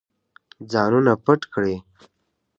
ځانونه پټ کړئ.